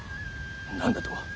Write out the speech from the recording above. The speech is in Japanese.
何だと？